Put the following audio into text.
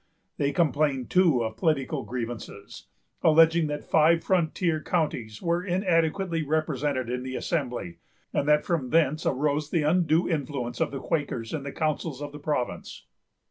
They complained, too, of political grievances, alleging that the five frontier counties were inadequately represented in the Assembly, and that from thence arose the undue influence of the Quakers in the councils of the province.